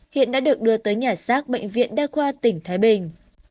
hiện đã được đưa tới nhà xác bệnh viện đa khoa tỉnh thái bình